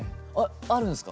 あるんですか？